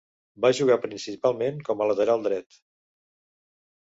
Va jugar principalment com a lateral dret.